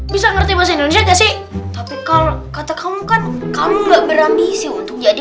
bisa ngerti bahasa indonesia gak sih tapi kalau kata kamu kan kamu nggak berambisi untuk jadi